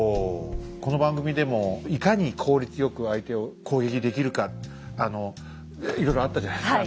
この番組でもいかに効率よく相手を攻撃できるかあのいろいろあったじゃないですか。